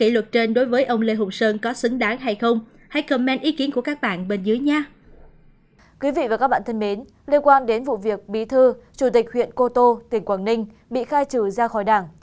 liên quan đến vụ việc bí thư chủ tịch huyện cô tô tỉnh quảng ninh bị khai trừ ra khỏi đảng